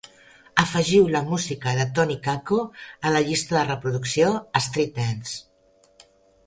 Afegiu la música de Tony Kakko a la llista de reproducció Street Dance